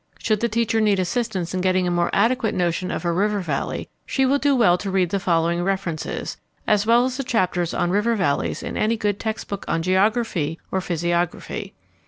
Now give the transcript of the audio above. Should the teacher need assistance in getting a more adequate notion of a river valley, she will do well to read the following references, as well as the chapters on river valleys in any good textbook on geography or physiography.